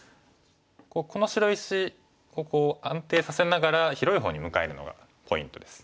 この白石安定させながら広い方に向かえるのがポイントです。